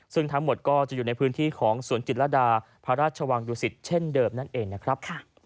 ซึ่งทั้งหมดก็จะอยู่ในพื้นที่ของสวนจิตรดาพระราชวังดุสิตเช่นเดิมนั่นเองนะครับ